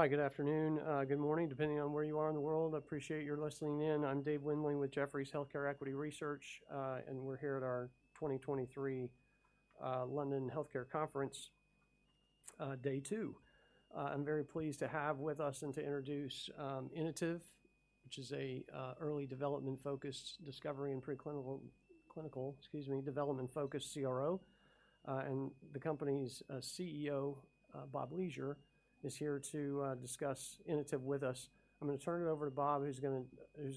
Hi, good afternoon, good morning, depending on where you are in the world. I appreciate your listening in. I'm Dave Windley with Jefferies Healthcare Equity Research, and we're here at our 2023 London Healthcare Conference, day two. I'm very pleased to have with us and to introduce Inotiv, which is a early development-focused discovery and preclinical, clinical, excuse me, development-focused CRO. And the company's CEO, Bob Leasure, is here to discuss Inotiv with us. I'm gonna turn it over to Bob, who's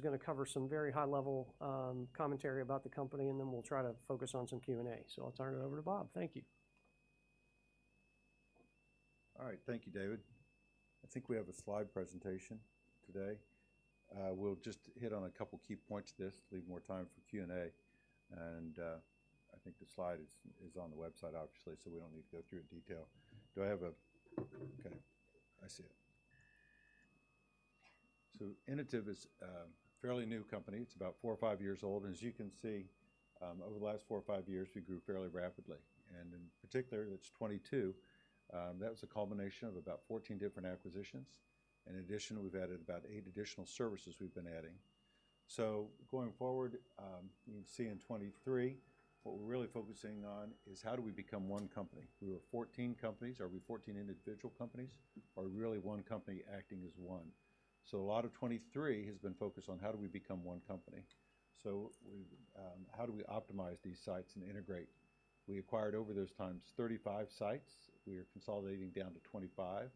gonna cover some very high-level commentary about the company, and then we'll try to focus on some Q&A. So I'll turn it over to Bob. Thank you. All right. Thank you, David. I think we have a slide presentation today. We'll just hit on a couple key points to this, leave more time for Q&A, and I think the slide is on the website, obviously, so we don't need to go through in detail. Do I have a... Okay, I see it. So Inotiv is a fairly new company. It's about four, five years old, and as you can see, over the last four, five years, we grew fairly rapidly. And in particular, in 2022, that was a culmination of about 14 different acquisitions. In addition, we've added about eight additional services we've been adding. So going forward, you can see in 2023, what we're really focusing on is how do we become one company? We were 14 companies. Are we 14 individual companies, or are we really one company acting as one? So a lot of 2023 has been focused on how do we become one company. So we, how do we optimize these sites and integrate? We acquired over those times, 35 sites. We are consolidating down to 25.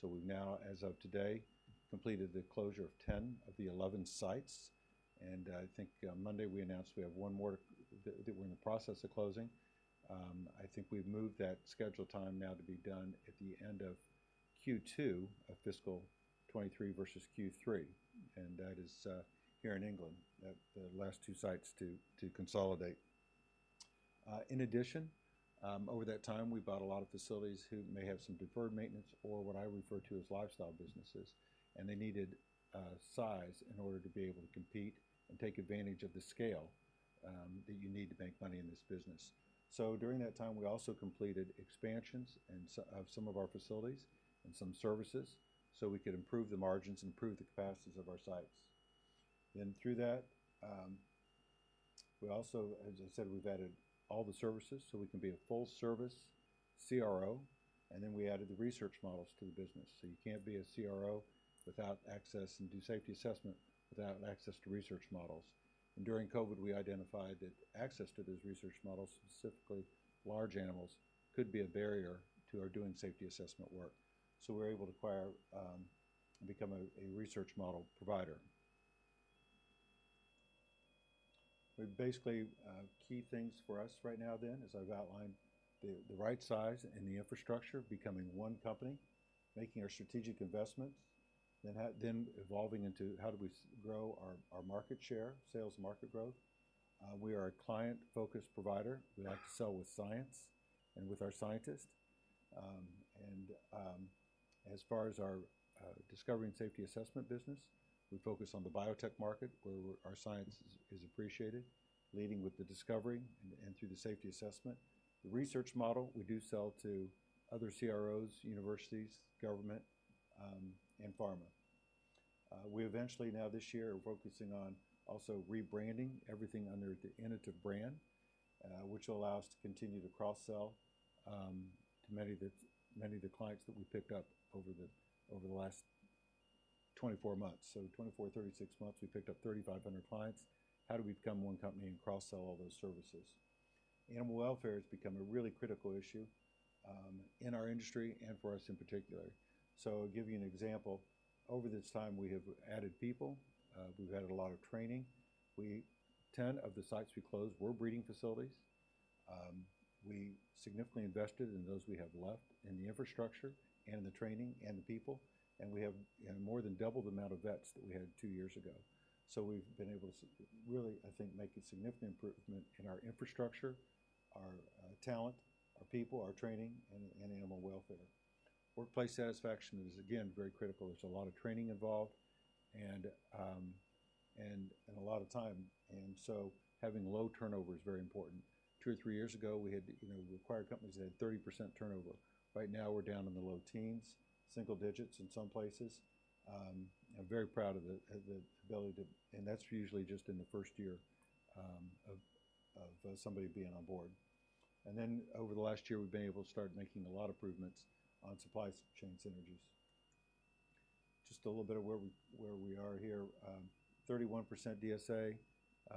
So we've now, as of today, completed the closure of 10 of the 11 sites, and I think, Monday we announced we have one more that we're in the process of closing. I think we've moved that scheduled time now to be done at the end of Q2 of fiscal 2023 versus Q3, and that is, here in England, the last two sites to consolidate. In addition, over that time, we bought a lot of facilities who may have some deferred maintenance or what I refer to as lifestyle businesses, and they needed size in order to be able to compete and take advantage of the scale that you need to make money in this business. So during that time, we also completed expansions and so of some of our facilities and some services, so we could improve the margins, improve the capacities of our sites. Then through that, we also, as I said, we've added all the services so we can be a full-service CRO, and then we added the research models to the business. So you can't be a CRO without access and do safety assessment without access to research models. During COVID, we identified that access to those research models, specifically large animals, could be a barrier to our doing safety assessment work. So we were able to acquire and become a research model provider. But basically, key things for us right now then, as I've outlined, the right size and the infrastructure, becoming one company, making our strategic investments, then evolving into how do we grow our market share, sales, market growth. We are a client-focused provider. We like to sell with science and with our scientists. And as far as our discovery and safety assessment business, we focus on the biotech market, where our science is appreciated, leading with the discovery and through the safety assessment. The research model, we do sell to other CROs, universities, government, and pharma. We eventually now this year are focusing on also rebranding everything under the Inotiv brand, which will allow us to continue to cross-sell to many of the, many of the clients that we picked up over the, over the last 24 months. So 24, 36 months, we picked up 3,500 clients. How do we become one company and cross-sell all those services? Animal welfare has become a really critical issue in our industry and for us in particular. So I'll give you an example. Over this time, we have added people. We've added a lot of training. 10 of the sites we closed were breeding facilities. We significantly invested in those we have left, in the infrastructure and the training and the people, and we have more than doubled the amount of vets that we had two years ago. So we've been able to really, I think, make a significant improvement in our infrastructure, our talent, our people, our training, and animal welfare. Workplace satisfaction is, again, very critical. There's a lot of training involved and a lot of time, and so having low turnover is very important. Two or three years ago, we had, you know, acquired companies that had 30% turnover. Right now, we're down in the low teens, single digits in some places. I'm very proud of the ability to... And that's usually just in the first year of somebody being on board. And then over the last year, we've been able to start making a lot of improvements on supply chain synergies. Just a little bit of where we are here. 31% DSA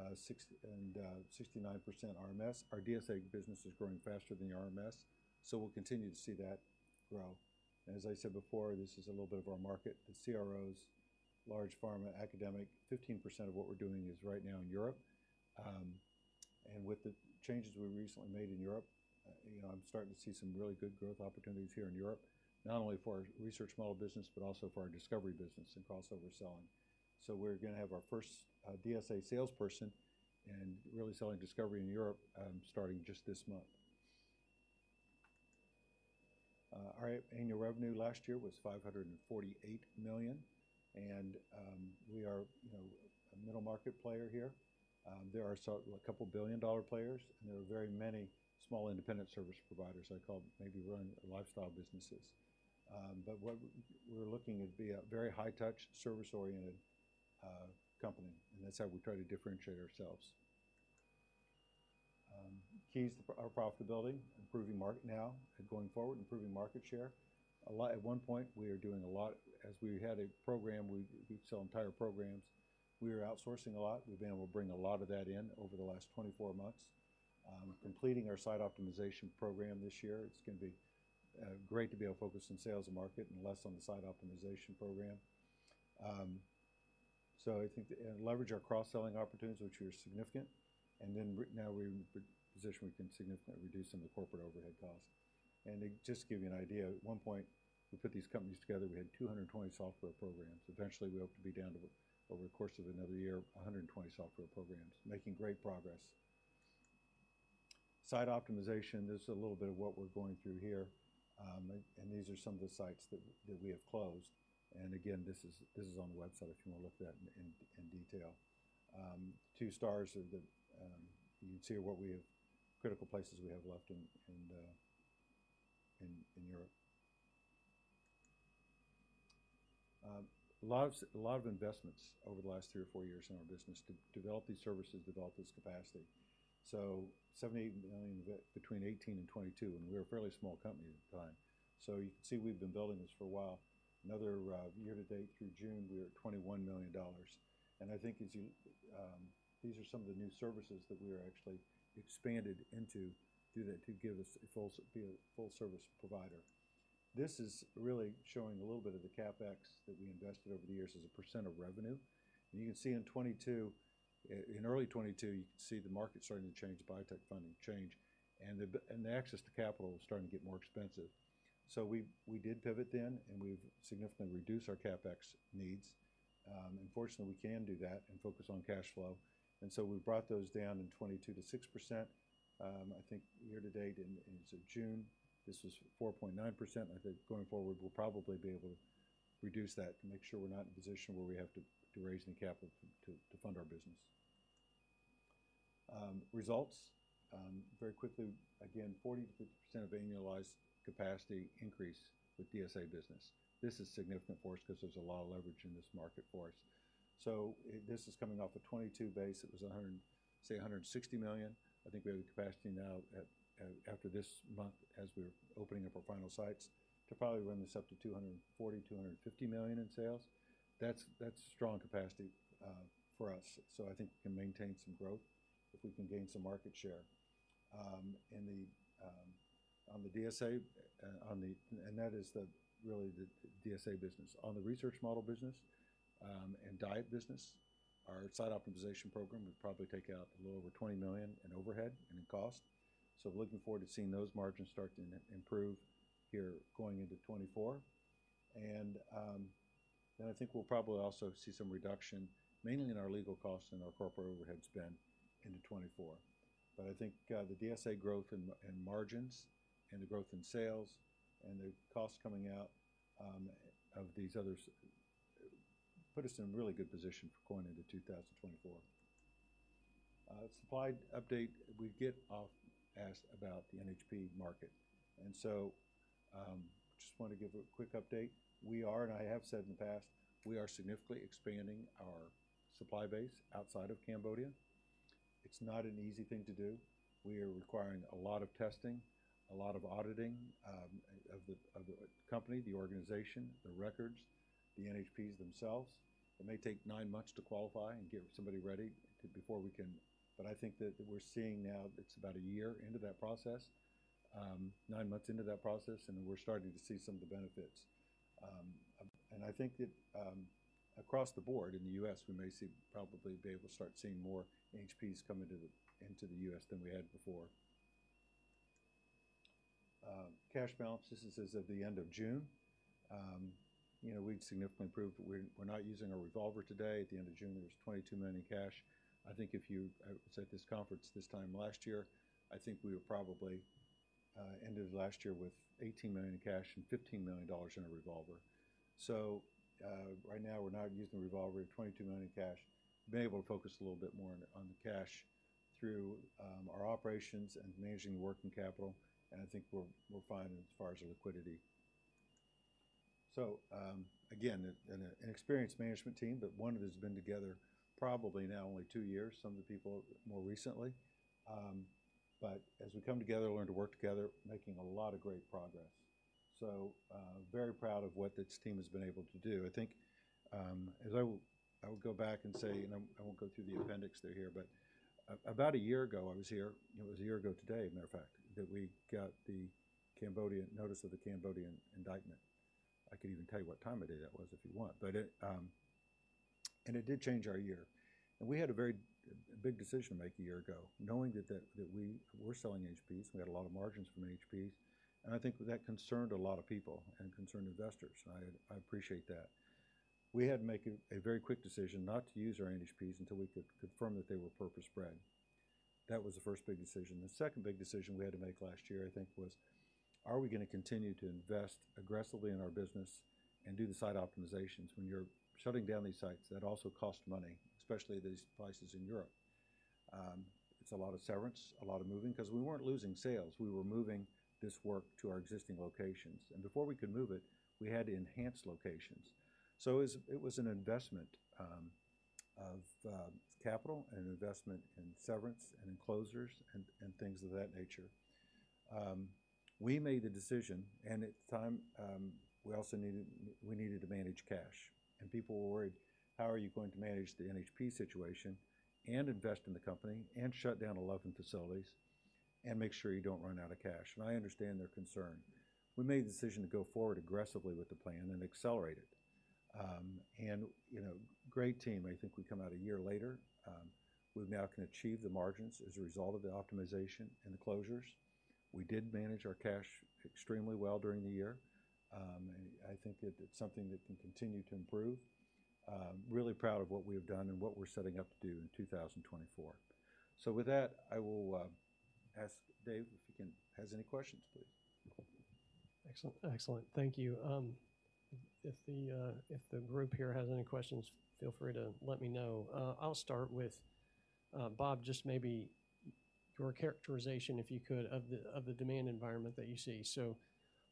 and 69% RMS. Our DSA business is growing faster than the RMS, so we'll continue to see that grow. As I said before, this is a little bit of our market, the CROs, large pharma, academic. 15% of what we're doing is right now in Europe. With the changes we recently made in Europe, you know, I'm starting to see some really good growth opportunities here in Europe, not only for our research model business, but also for our discovery business and crossover selling. So we're gonna have our first DSA salesperson and really selling discovery in Europe, starting just this month. Our annual revenue last year was $548 million, and we are, you know, a middle market player here. There are a couple billion-dollar players, and there are very many small independent service providers, I call them, maybe running lifestyle businesses. But what we're looking at be a very high touch, service-oriented, company, and that's how we try to differentiate ourselves. Keys to our profitability, improving market now and going forward, improving market share. A lot. At one point, we were doing a lot. As we had a program, we, we sell entire programs. We were outsourcing a lot. We've been able to bring a lot of that in over the last 24 months. Completing our site optimization program this year, it's gonna be great to be able to focus on sales and market and less on the site optimization program. So I think and leverage our cross-selling opportunities, which are significant, and then now we're in a position we can significantly reduce some of the corporate overhead costs. To just give you an idea, at one point, we put these companies together, we had 220 software programs. Eventually, we hope to be down to, over the course of another year, 120 software programs. Making great progress. Site optimization, this is a little bit of what we're going through here, and these are some of the sites that we have closed. And again, this is on the website if you want to look at it in detail. Two stars are the. You can see what we have, critical places we have left in Europe. A lot of, a lot of investments over the last three or four years in our business to develop these services, develop this capacity. So $78 million between 2018 and 2022, and we were a fairly small company at the time. So you can see we've been building this for a while. Another, year to date through June, we are at $21 million, and I think as you... These are some of the new services that we are actually expanded into through that to give us a full service provider. This is really showing a little bit of the CapEx that we invested over the years as a percent of revenue. And you can see in 2022, in early 2022, you can see the market starting to change, biotech funding change, and the, and the access to capital was starting to get more expensive. So we, we did pivot then, and we've significantly reduced our CapEx needs. And fortunately, we can do that and focus on cash flow. And so we brought those down in 2022 to 6%. I think year to date in, as of June, this was 4.9%, and I think going forward, we'll probably be able to reduce that to make sure we're not in a position where we have to, to raise any capital to, to fund our business. Results. Very quickly, again, 40%-50% of annualized capacity increase with DSA business. This is significant for us because there's a lot of leverage in this market for us. So this is coming off a 2022 base. It was $100, say, $160 million. I think we have the capacity now at, after this month, as we're opening up our final sites, to probably run this up to $240-$250 million in sales. That's strong capacity for us. So I think we can maintain some growth if we can gain some market share. In the on the DSA, on the. And that is the really the DSA business. On the research model business and diet business, our site optimization program would probably take out a little over $20 million in overhead and in cost. So looking forward to seeing those margins start to improve here going into 2024. And I think we'll probably also see some reduction, mainly in our legal costs and our corporate overhead spend into 2024. But I think, the DSA growth and margins and the growth in sales and the costs coming out of these others put us in a really good position for going into 2024. Supply update. We get often asked about the NHP market, and so just want to give a quick update. We are, and I have said in the past, we are significantly expanding our supply base outside of Cambodia. It's not an easy thing to do. We are requiring a lot of testing, a lot of auditing of the company, the organization, the records, the NHPs themselves. It may take nine months to qualify and get somebody ready to, before we can. But I think that we're seeing now it's about 1 year into that process, nine months into that process, and we're starting to see some of the benefits. And I think that, across the board in the U.S., we may see, probably be able to start seeing more NHPs come into the, into the U.S. than we had before. Cash balance, this is as of the end of June. You know, we've significantly improved, but we're not using a revolver today. At the end of June, there was $22 million in cash. I think if you was at this conference this time last year, I think we would probably ended last year with $18 million in cash and $15 million in a revolver. So, right now, we're not using a revolver. We have $22 million in cash. We've been able to focus a little bit more on the cash through our operations and managing working capital, and I think we're fine as far as our liquidity. So, again, an experienced management team, but one that has been together probably now only two years, some of the people more recently. But as we come together, learn to work together, making a lot of great progress. So, very proud of what this team has been able to do. I think, as I would, I would go back and say, and I, I won't go through the appendix there here, but about a year ago, I was here, it was a year ago today, matter of fact, that we got the Cambodian notice of the Cambodian indictment. I can even tell you what time of day that was, if you want. But it... And it did change our year, and we had a very big decision to make a year ago, knowing that, that, that we were selling NHPs, and we had a lot of margins from NHPs, and I think that concerned a lot of people and concerned investors, and I, I appreciate that. We had to make a very quick decision not to use our NHPs until we could confirm that they were purpose-bred. That was the first big decision. The second big decision we had to make last year, I think, was: are we gonna continue to invest aggressively in our business and do the site optimizations? When you're shutting down these sites, that also costs money, especially these places in Europe. It's a lot of severance, a lot of moving, 'cause we weren't losing sales, we were moving this work to our existing locations, and before we could move it, we had to enhance locations. So it was, it was an investment of capital and an investment in severance and in closures and, and things of that nature. We made the decision, and at the time, we also needed to manage cash, and people were worried, "How are you going to manage the NHP situation, and invest in the company, and shut down 11 facilities, and make sure you don't run out of cash?" And I understand their concern. We made the decision to go forward aggressively with the plan and accelerate it. You know, great team, I think we come out a year later, we now can achieve the margins as a result of the optimization and the closures. We did manage our cash extremely well during the year. I think it's something that can continue to improve. Really proud of what we have done and what we're setting up to do in 2024. So with that, I will ask Dave if he has any questions, please. Excellent, excellent. Thank you. If the group here has any questions, feel free to let me know. I'll start with Bob, just maybe your characterization, if you could, of the demand environment that you see.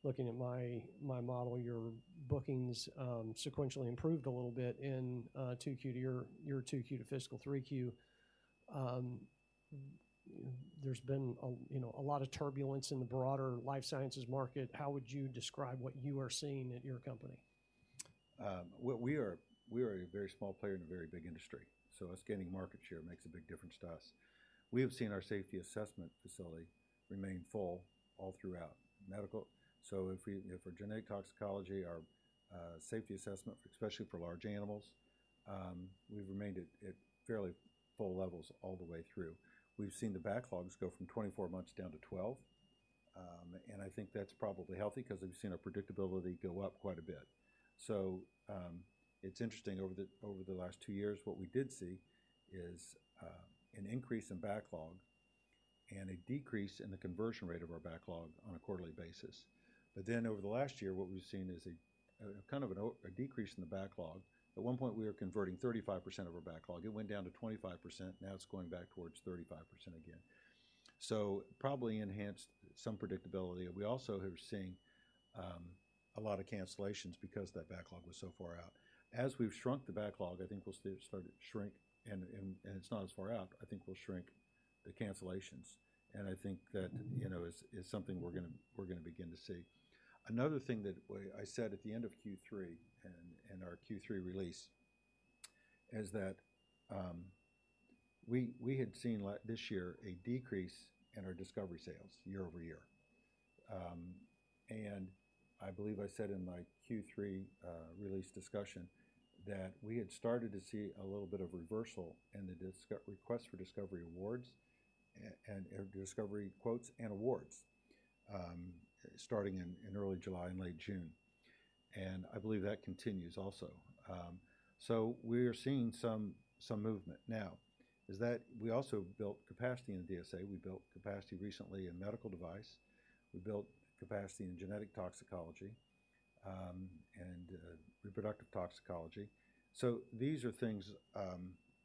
So looking at my model, your bookings sequentially improved a little bit in 2Q to your 2Q to fiscal 3Q. There's been a, you know, a lot of turbulence in the broader life sciences market. How would you describe what you are seeing at your company? Well, we are a very small player in a very big industry, so us gaining market share makes a big difference to us. We have seen our safety assessment facility remain full all throughout medical. So for genetic toxicology, our safety assessment, especially for large animals, we've remained at fairly full levels all the way through. We've seen the backlogs go from 24 months down to 12, and I think that's probably healthy because we've seen our predictability go up quite a bit. So it's interesting, over the last two years, what we did see is an increase in backlog and a decrease in the conversion rate of our backlog on a quarterly basis. But then over the last year, what we've seen is a kind of a decrease in the backlog. At one point, we were converting 35% of our backlog. It went down to 25%, now it's going back towards 35% again. So probably enhanced some predictability. We also are seeing a lot of cancellations because that backlog was so far out. As we've shrunk the backlog, I think we'll start to shrink, and it's not as far out, I think we'll shrink the cancellations. And I think that, you know, is something we're gonna begin to see. Another thing that way. I said at the end of Q3 and our Q3 release is that we had seen this year a decrease in our discovery sales year-over-year. I believe I said in my Q3 release discussion that we had started to see a little bit of reversal in the discovery requests for discovery awards and discovery quotes and awards, starting in early July and late June. I believe that continues also. So we are seeing some movement. Now, is that we also built capacity in the DSA. We built capacity recently in medical device. We built capacity in Genetic Toxicology and Reproductive Toxicology. So these are things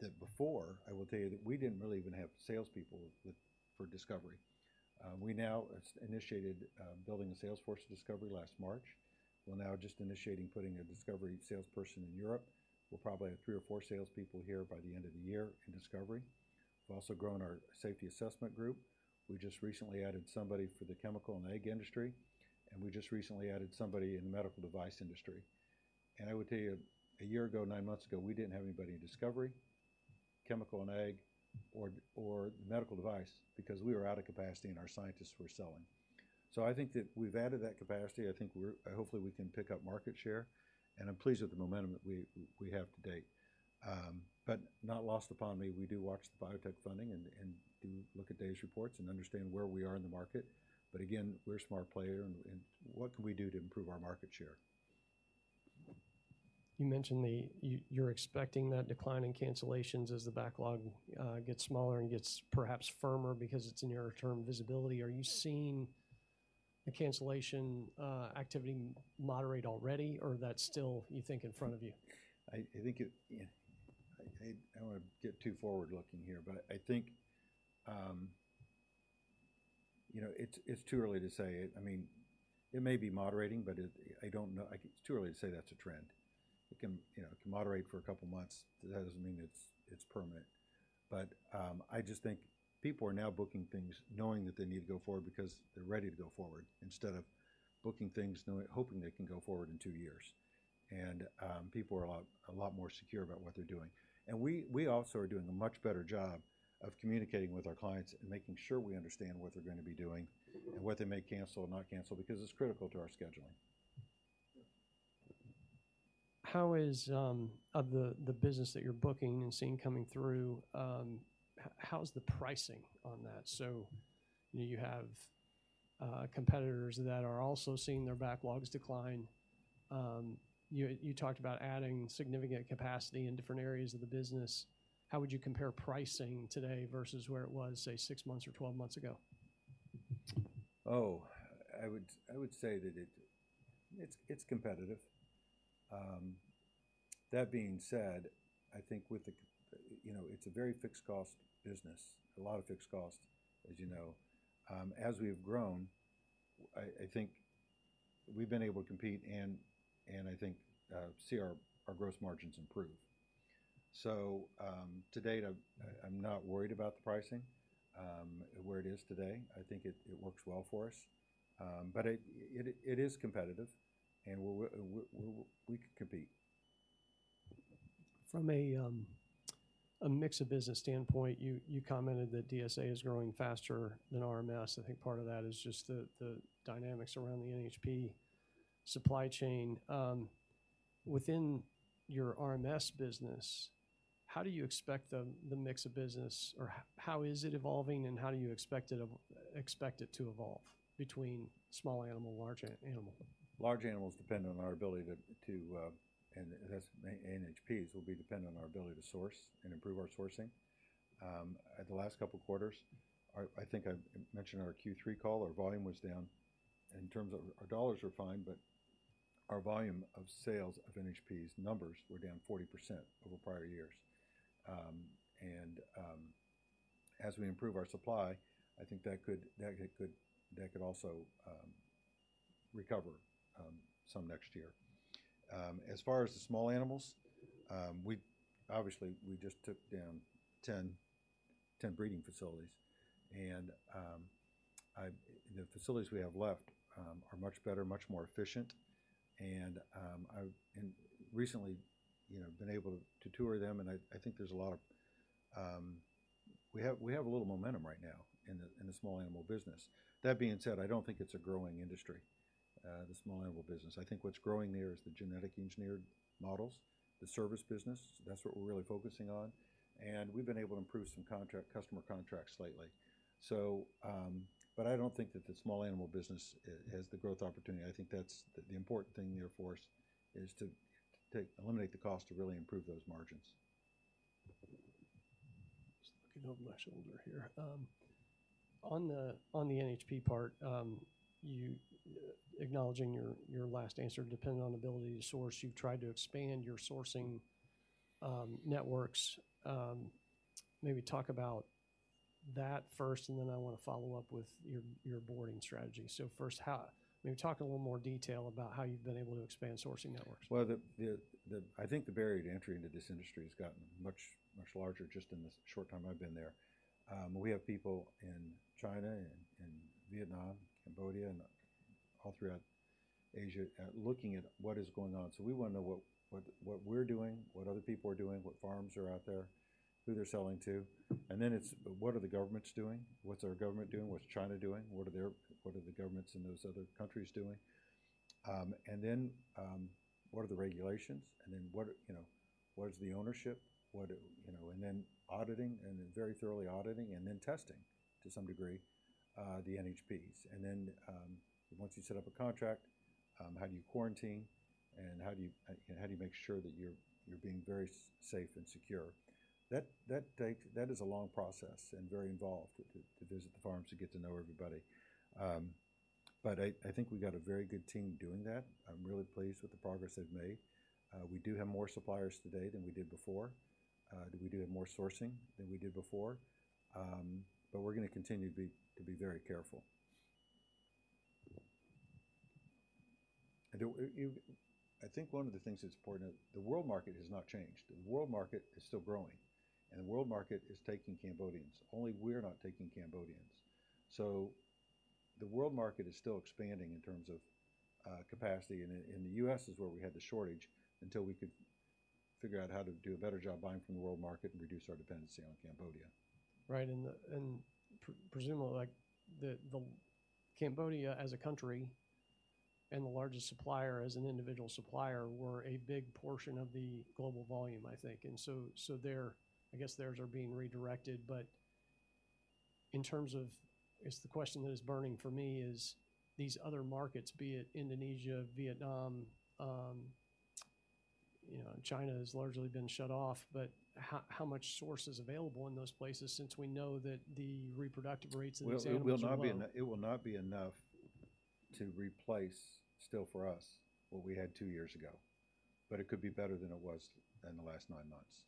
that before I will tell you that we didn't really even have salespeople for discovery. We now has initiated building a sales force discovery last March. We're now just initiating putting a discovery salesperson in Europe. We'll probably have three or four salespeople here by the end of the year in discovery. We've also grown our safety assessment group. We just recently added somebody for the chemical and ag industry, and we just recently added somebody in the medical device industry. I would tell you, a year ago, nine months ago, we didn't have anybody in discovery, chemical and ag, or medical device because we were out of capacity and our scientists were selling. So I think that we've added that capacity. I think we're hopefully, we can pick up market share, and I'm pleased with the momentum that we have to date. But not lost upon me, we do watch the biotech funding and do look at those reports and understand where we are in the market. But again, we're a smart player, and what can we do to improve our market share? You mentioned you, you're expecting that decline in cancellations as the backlog gets smaller and gets perhaps firmer because it's in your term visibility. Are you seeing the cancellation activity moderate already, or that's still, you think, in front of you? I think, yeah. I don't want to get too forward-looking here, but I think, you know, it's too early to say. I mean, it may be moderating, but I don't know. I think it's too early to say that's a trend. It can, you know, it can moderate for a couple of months, that doesn't mean it's permanent. But I just think people are now booking things knowing that they need to go forward because they're ready to go forward, instead of booking things knowing hoping they can go forward in two years. And people are a lot more secure about what they're doing. We also are doing a much better job of communicating with our clients and making sure we understand what they're going to be doing and what they may cancel or not cancel, because it's critical to our scheduling. How is of the business that you're booking and seeing coming through, how is the pricing on that? So, competitors that are also seeing their backlogs decline. You talked about adding significant capacity in different areas of the business. How would you compare pricing today versus where it was, say, six months or 12 months ago? Oh, I would say that it's competitive. That being said, I think you know, it's a very fixed-cost business, a lot of fixed costs, as you know. As we have grown, I think we've been able to compete and I think see our gross margins improve. So, to date, I'm not worried about the pricing, where it is today. I think it works well for us. But it is competitive, and we can compete. From a mix of business standpoint, you commented that DSA is growing faster than RMS. I think part of that is just the dynamics around the NHP supply chain. Within your RMS business, how do you expect the mix of business, or how is it evolving, and how do you expect it to evolve between small animal and large animal? Large animals depend on our ability, and as NHPs, will be dependent on our ability to source and improve our sourcing. At the last couple quarters, I think I mentioned our Q3 call, our volume was down in terms of... Our dollars were fine, but our volume of sales of NHPs, numbers were down 40% over prior years. And as we improve our supply, I think that could also recover some next year. As far as the small animals, obviously, we just took down 10 breeding facilities, and the facilities we have left are much better, much more efficient. And I've recently, you know, been able to tour them, and I think there's a lot of... We have a little momentum right now in the small animal business. That being said, I don't think it's a growing industry, the small animal business. I think what's growing there is the genetically engineered models, the service business. That's what we're really focusing on, and we've been able to improve some customer contracts lately. But I don't think that the small animal business has the growth opportunity. I think that's the important thing there for us is to eliminate the cost to really improve those margins. Just looking over my shoulder here. On the NHP part, you, acknowledging your last answer, depending on the ability to source, you've tried to expand your sourcing networks. Maybe talk about that first, and then I want to follow up with your sourcing strategy. So first, how... Maybe talk a little more detail about how you've been able to expand sourcing networks. Well, I think the barrier to entry into this industry has gotten much, much larger just in the short time I've been there. We have people in China and Vietnam, Cambodia, and all throughout Asia looking at what is going on. So we want to know what we're doing, what other people are doing, what farms are out there, who they're selling to. And then it's what are the governments doing? What's our government doing? What's China doing? What are the governments in those other countries doing? And then what are the regulations? And then you know, what is the ownership? You know, and then auditing, and then very thoroughly auditing, and then testing, to some degree, the NHPs. And then, once you set up a contract, how do you quarantine, and how do you make sure that you're being very safe and secure? That is a long process and very involved, to visit the farms, to get to know everybody. But I think we got a very good team doing that. I'm really pleased with the progress they've made. We do have more suppliers today than we did before. We do have more sourcing than we did before. But we're going to continue to be very careful. And I think one of the things that's important, the world market has not changed. The world market is still growing, and the world market is taking Cambodians. Only we're not taking Cambodians. The world market is still expanding in terms of capacity, and in the U.S. is where we had the shortage, until we could figure out how to do a better job buying from the world market and reduce our dependency on Cambodia. Right, and presumably, like, the Cambodia, as a country and the largest supplier, as an individual supplier, were a big portion of the global volume, I think. And so their, I guess, theirs are being redirected. But in terms of... I guess, the question that is burning for me is, these other markets, be it Indonesia, Vietnam, you know, China has largely been shut off, but how much source is available in those places since we know that the reproductive rates in those animals are low? Well, it will not be enough to replace, still for us, what we had two years ago, but it could be better than it was in the last nine months.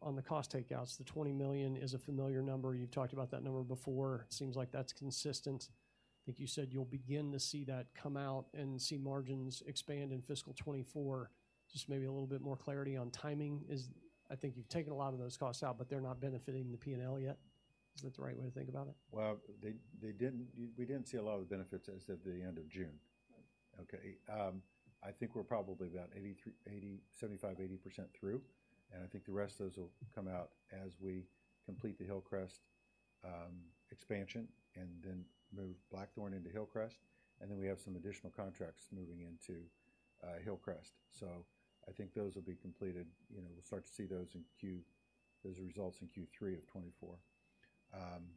On the cost takeouts, the $20 million is a familiar number. You've talked about that number before. It seems like that's consistent. I think you said you'll begin to see that come out and see margins expand in fiscal 2024. Just maybe a little bit more clarity on timing is... I think you've taken a lot of those costs out, but they're not benefiting the P&L yet. Is that the right way to think about it? Well, they didn't... We didn't see a lot of the benefits as of the end of June. Right. Okay, I think we're probably about 83, 80, 75, 80% through, and I think the rest of those will come out as we complete the Hillcrest expansion, and then move Blackthorn into Hillcrest, and then we have some additional contracts moving into Hillcrest. So I think those will be completed. You know, we'll start to see those results in Q3 of 2024.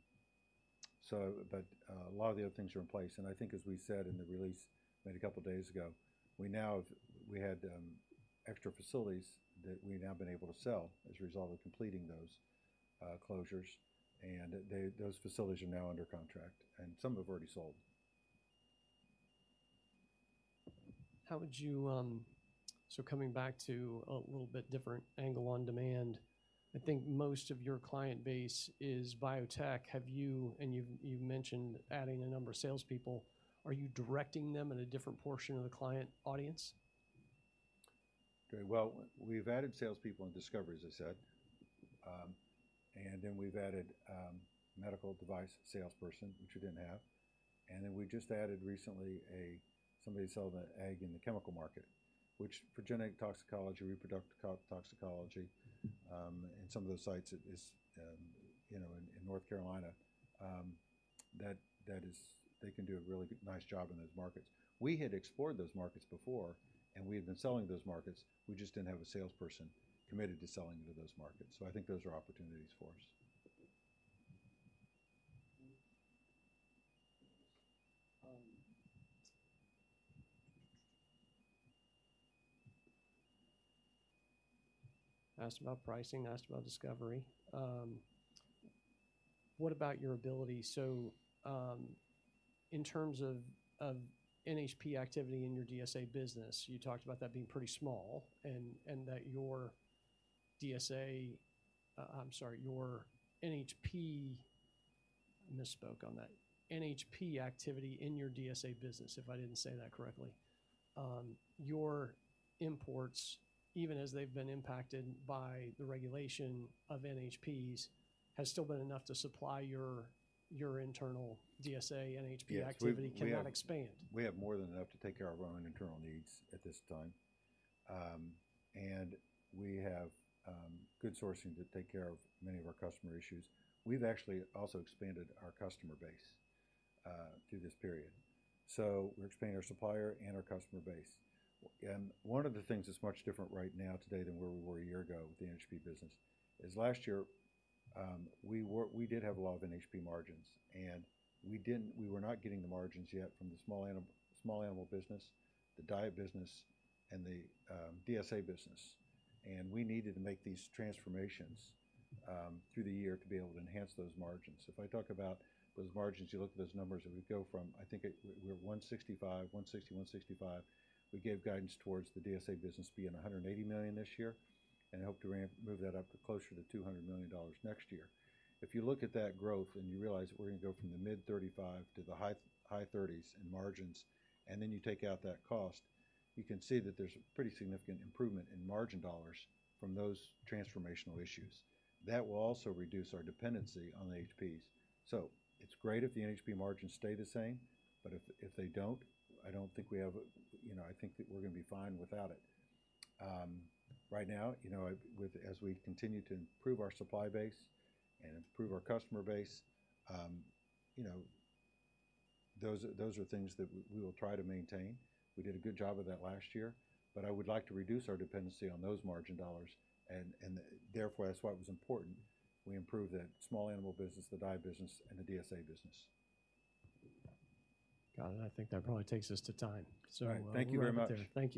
So but, a lot of the other things are in place, and I think as we said in the release made a couple of days ago, we now have we had extra facilities that we've now been able to sell as a result of completing those closures, and they, those facilities are now under contract, and some have already sold. How would you, So coming back to a little bit different angle on demand, I think most of your client base is biotech. Have you, and you've, you've mentioned adding a number of salespeople, are you directing them in a different portion of the client audience? Very well. We've added salespeople in discovery, as I said. And then we've added a medical device salesperson, which we didn't have, and then we just added recently somebody to sell the ag in the chemical market, which for Genetic Toxicology, Reproductive Toxicology, and some of those sites is, you know, in North Carolina, that is... They can do a really nice job in those markets. We had explored those markets before, and we had been selling those markets. We just didn't have a salesperson committed to selling into those markets. So I think those are opportunities for us. Asked about pricing, asked about discovery. What about your ability? So, in terms of NHP activity in your DSA business, you talked about that being pretty small and that your DSA, I'm sorry, your NHP... I misspoke on that. NHP activity in your DSA business, if I didn't say that correctly, your imports, even as they've been impacted by the regulation of NHPs, has still been enough to supply your internal DSA, NHP activity- Yes, we have- -cannot expand. We have more than enough to take care of our own internal needs at this time. And we have good sourcing to take care of many of our customer issues. We've actually also expanded our customer base through this period. So we're expanding our supplier and our customer base. And one of the things that's much different right now today than where we were a year ago with the NHP business is last year, we did have a lot of NHP margins, and we didn't, we were not getting the margins yet from the small animal business, the diet business, and the DSA business. And we needed to make these transformations through the year to be able to enhance those margins. If I talk about those margins, you look at those numbers, and we go from, I think, 165, 160, 165. We gave guidance towards the DSA business being $180 million this year, and I hope to ramp, move that up to closer to $200 million next year. If you look at that growth and you realize that we're gonna go from the mid-35% to the high 30s% in margins, and then you take out that cost, you can see that there's a pretty significant improvement in margin dollars from those transformational issues. That will also reduce our dependency on the NHPs. So it's great if the NHP margins stay the same, but if they don't, I don't think, you know, I think that we're gonna be fine without it. Right now, you know, as we continue to improve our supply base and improve our customer base, you know, those are things that we will try to maintain. We did a good job of that last year, but I would like to reduce our dependency on those margin dollars, and therefore, that's why it was important we improve the small animal business, the diet business, and the DSA business. Got it. I think that probably takes us to time. So- Thank you very much. Thank you.